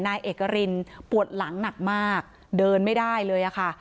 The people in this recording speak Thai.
นายเอกรินปวดหลังหนักมากเดินไม่ได้เลยค่ะ